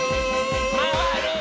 まわるよ！